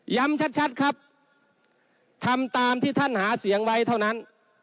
ชัดครับทำตามที่ท่านหาเสียงไว้เท่านั้น